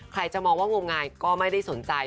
ใครจะมองว่างมงายก็ไม่ได้สนใจ